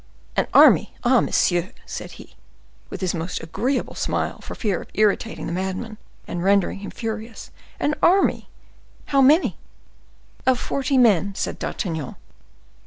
"An army!—ah, monsieur," said he, with his most agreeable smile, for fear of irritating the madman, and rendering him furious,—"an army!—how many?" "Of forty men," said D'Artagnan.